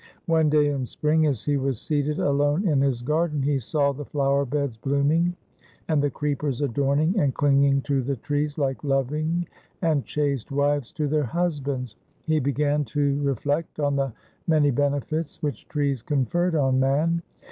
One day in spring, as he was seated alone in his garden, he saw the flower beds blooming and the creepers adorning and clinging to the trees like loving and chaste wives to their husbands. He began to reflect on the many benefits which trees conferred on man.